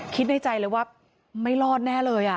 คิดในใจเลยว่าไม่รอดแน่เลย